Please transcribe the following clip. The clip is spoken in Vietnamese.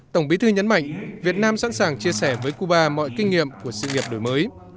tổng bí thư nhấn mạnh việt nam sẵn sàng chia sẻ với cuba mọi kinh nghiệm của sự nghiệp đổi mới